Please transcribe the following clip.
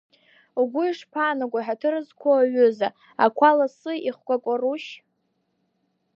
Угәы ишԥаанагои, ҳаҭыр зқәу аҩыза, ақәа лассы ихкәа-кәарушь?